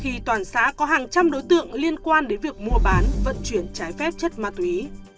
khi toàn xã có hàng trăm đối tượng liên quan đến việc mua bán vận chuyển trái phép chất ma túy